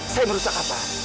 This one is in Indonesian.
saya merusak apa